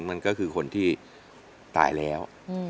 มันก็คือคนที่ตายแล้ว